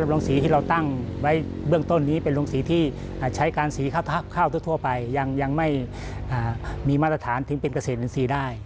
ดำรงสีที่เราตั้งไว้เบื้องต้นนี้เป็นโรงสีที่ใช้การสีข้าวทั่วไปยังไม่มีมาตรฐานถึงเป็นเกษตรอินทรีย์ได้